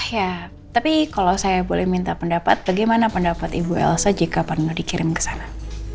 ya tapi kalau saya boleh minta pendapat bagaimana pendapat ibu elsa jika perlu dikirim ke sana